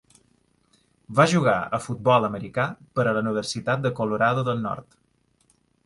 Va jugar a futbol americà per a la Universitat de Colorado del Nord.